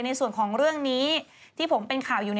ในส่วนของเรื่องนี้ที่ผมเป็นข่าวอยู่